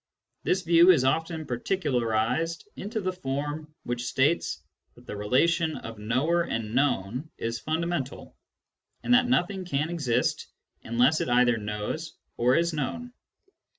This view is often particularised into the form which states that the relation of knower and known is fundamental, and that nothing can exist unless it either knows or is known.